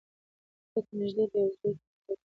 زړه ته نیژدې دی او زوی د تره دی